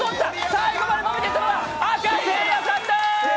最後まで伸びていったのは赤・せいやさんだ！